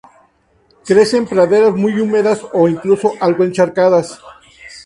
Crece en praderas muy húmedas o incluso algo encharcadas.